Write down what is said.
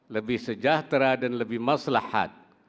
lebih sejahtera dan lebih maslahat